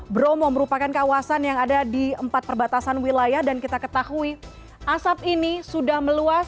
bromo merupakan kawasan yang ada di empat perbatasan wilayah dan kita ketahui asap ini sudah meluas